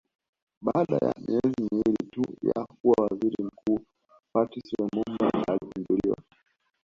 Baada ya miezi miwili tu ya kuwa Waziri Mkuu Patrice Lumumba alipinduliwa